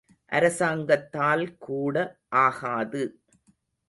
அரசாங்கத்தால் கூட ஆகாது.